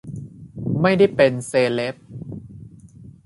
ไม่ได้เป็นเซเลบ.